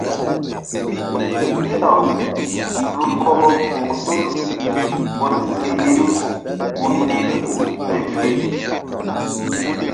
Mbilaw lu mgbɔkɔ ku̧h tul gunzih ye ku nih Luku ɓay fe.